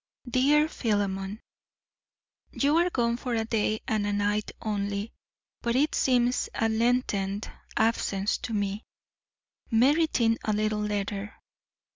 DEAR PHILEMON: You are gone for a day and a night only, but it seems a lengthened absence to me, meriting a little letter.